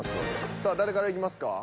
さあ誰からいきますか？